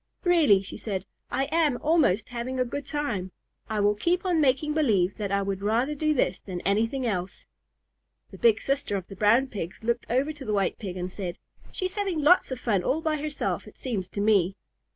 "Really," she said, "I am almost having a good time. I will keep on making believe that I would rather do this than anything else." The big sister of the Brown Pigs looked over to the White Pig and said, "She's having lots of fun all by herself, it seems to me."